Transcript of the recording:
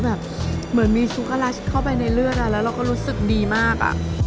แบบเหมือนมีสุการาชิตเข้าไปในเลือดอะแล้วเราก็รู้สึกดีมาก